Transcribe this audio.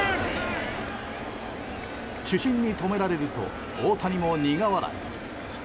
主審に止められると大谷も苦笑い。